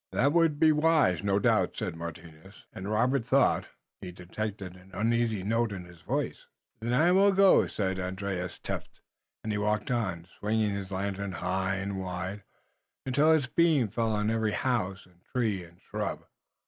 "That would be wise, no doubt," said Martinus, and Robert thought he detected an uneasy note in his voice. "Then I will go," said Andrius Tefft, and he walked on, swinging his lantern high and wide, until its beams fell on every house and tree and shrub.